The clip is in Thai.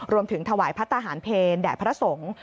รวมถึงถวายพระทหารเพลแด่พระสงฆ์